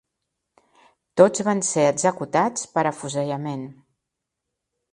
Tots van ser executats per afusellament.